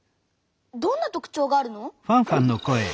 どんな特ちょうがあるの？